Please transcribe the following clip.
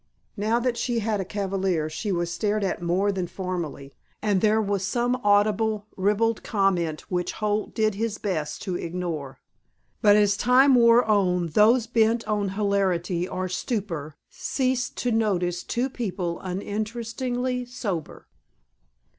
Now that she had a cavalier she was stared at more than formerly, and there was some audible ribald comment which Holt did his best to ignore; but as time wore on those bent on hilarity or stupor ceased to notice two people uninterestingly sober.